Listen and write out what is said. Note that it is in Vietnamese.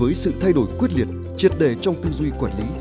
với sự thay đổi quyết liệt triệt đề trong tư duy quản lý